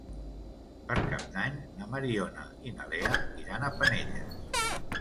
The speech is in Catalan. Per Cap d'Any na Mariona i na Lea iran a Penelles.